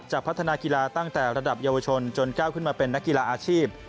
พัฒนากีฬาตั้งแต่ระดับเยาวชนจนก้าวขึ้นมาเป็นนักกีฬาอาชีพ